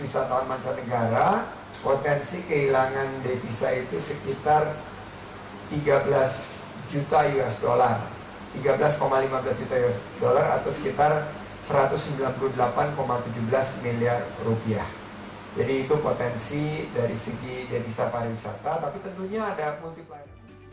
sandi mengatakan potensi kehilangan devisa sekitar tiga belas lima belas juta usd atau sekitar satu ratus sembilan puluh delapan tujuh belas miliar rupiah